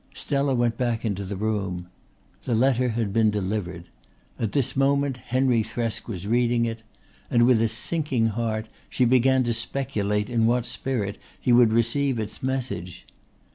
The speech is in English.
Stella went back into the room. The letter had been delivered; at this moment Henry Thresk was reading it; and with a sinking heart she began to speculate in what spirit he would receive its message.